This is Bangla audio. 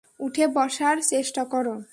উঠে বসার চেষ্টা করো।